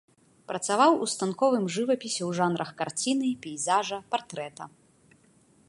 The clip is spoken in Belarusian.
Працаваў ў станковым жывапісе ў жанрах карціны, пейзажа, партрэта.